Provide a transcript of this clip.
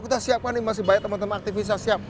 kita siapkan nih masih banyak teman teman aktivisnya siap